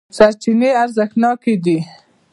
سرچینې ارزښتناکې دي.